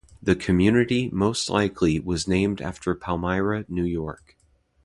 The community most likely was named after Palmyra, New York.